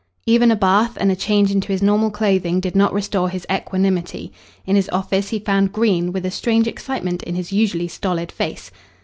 Even a bath and a change into his normal clothing did not restore his equanimity. In his office he found Green, with a strange excitement in his usually stolid face.